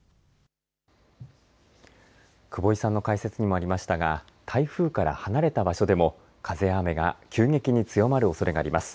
久保井さんの解説にもありましたが台風から離れた場所でも風や雨が急激に強まるおそれがあります。